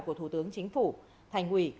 của thủ tướng chính phủ thành ủy